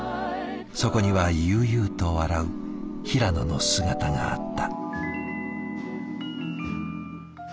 そこには悠々と笑う平野の姿があった。